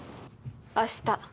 明日